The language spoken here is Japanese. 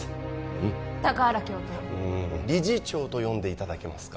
うん高原教頭理事長と呼んでいただけますか？